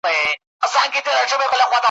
خپل پردي ورته راتلل له نیژدې لیري ,